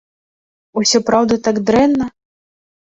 Усё праўда так дрэнна?